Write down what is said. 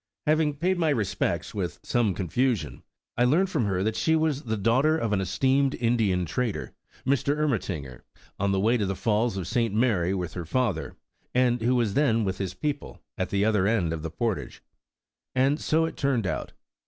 '^ Having paid my respects with some confusion, (and ver}^ much amazed she seemed), I learned from her that she was the daughter of an esteemed Indian trader, Mr Ermatinger, on the way to the Falls of St. Mary with her father, and who was then with his people, at the other end of the portage; and so it turned out.